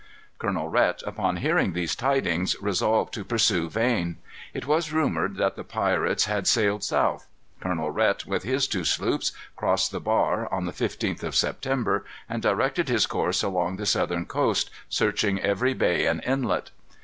Colonel Rhet, upon hearing these tidings, resolved to pursue Vane. It was rumored that the pirates had sailed south. Colonel Rhet, with his two sloops, crossed the bar, on the 15th of September, and directed his course along the southern coast, searching every bay and inlet.